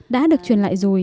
đã được truyền lại rồi